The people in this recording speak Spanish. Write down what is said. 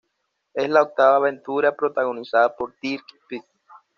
Es la octava aventura protagonizada por Dirk Pitt.